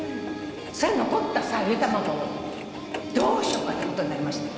それで残ったゆで卵をどうしようかってことになりまして。